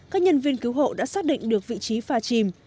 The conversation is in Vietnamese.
các nhân viên cứu hộ đã xác định được vị trí pha chìm